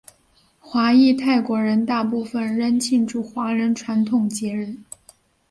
华裔泰国人大部分仍庆祝华人传统节日。